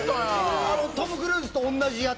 トム・クルーズと同じやつ。